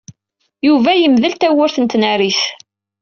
Yuba yemdel tawwurt n tnarit.